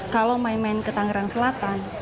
kalau main main ke tangerang selatan